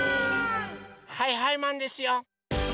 はいはいマンですよ！